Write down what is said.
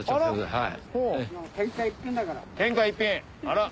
はい。